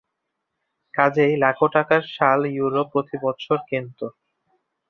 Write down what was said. কাজেই লাখো টাকার শাল ইউরোপ প্রতি বৎসর কিনত।